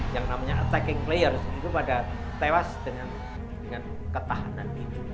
yang namanya attacking players itu pada tewas dengan ketahanan